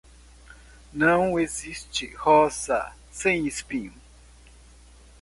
Não existe rosa sem espinho.